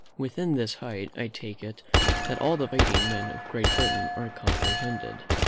Within this height, I take it, that all the fighting men of Great Britain are comprehended.